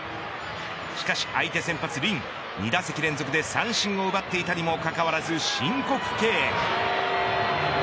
しかし相手先発リン２打席連続で三振を奪っていたにもかかわらず申告敬遠。